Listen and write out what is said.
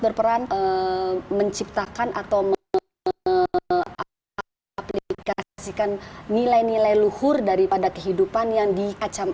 berperan menciptakan atau mengaplikasikan nilai nilai luhur daripada kehidupan yang dikacam